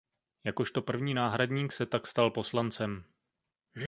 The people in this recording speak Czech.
Jakožto první náhradník se tak stal poslancem.